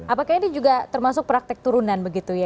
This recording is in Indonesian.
apakah ini juga termasuk praktek turunan begitu ya